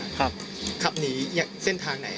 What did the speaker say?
แล้วหลังจากนั้นเราขับหนีเอามามันก็ไล่ตามมาอยู่ตรงนั้น